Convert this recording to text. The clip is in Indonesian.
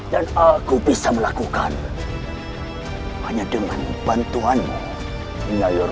dan aku bisa melakukannya hanya dengan bantuanmu